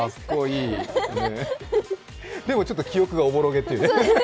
でもちょっと記憶がおぼろげってやつね。